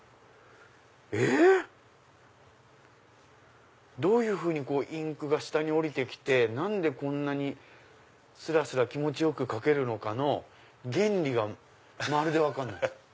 え⁉どういうふうにインクが下に下りて来て何でこんなにスラスラ気持ち良く書けるのかの原理がまるで分からないです。